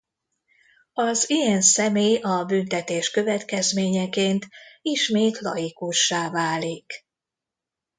Az ilyen személy a büntetés következményeként ismét laikussá válik.